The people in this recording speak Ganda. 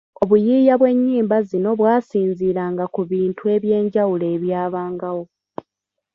Obuyiiya bw’ennyimba zino bwasinziiranga ku bintu eby’enjawulo ebyabangawo